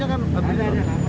iya karena memang pergubnya kan